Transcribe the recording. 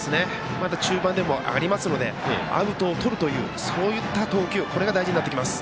まだ中盤でもありますのでアウトをとるというそういった投球が大事になってきます。